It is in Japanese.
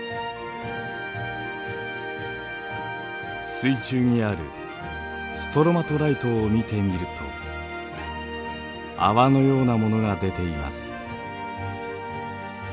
水中にあるストロマトライトを見てみると泡のようなものが出ています。